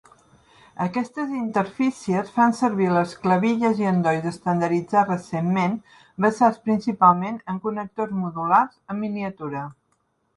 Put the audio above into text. Aquestes interfícies fan servir les clavilles i endolls estandarditzats recentment, basats principalment en connectors modulars en miniatura.